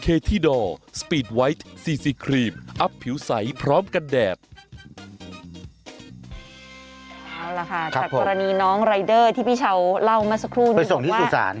เอาล่ะค่ะจากกรณีน้องรายเดอร์ที่พี่เช้าเล่ามาสักครู่นี้ไปส่งที่สู่ศาล